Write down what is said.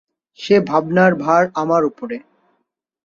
সে ভাবনার ভার আমার উপরে।